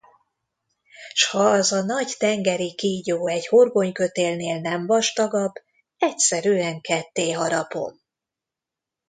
S ha az a nagy tengeri kígyó egy horgonykötélnél nem vastagabb, egyszerűen kettéharapom!